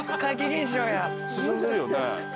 進んでるよね？